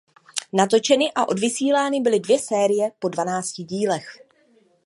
Natočeny a odvysílány byly dvě série po dvanácti dílech.